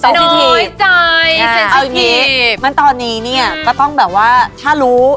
น้อยใจเอาอีกทีมันตอนนี้เนี้ยก็ต้องแบบว่าถ้ารู้